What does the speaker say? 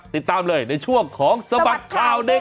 ติดตามเลยในช่วงของสบัดข่าวเด็ก